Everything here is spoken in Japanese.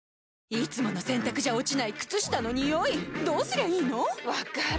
いつもの洗たくじゃ落ちない靴下のニオイどうすりゃいいの⁉分かる。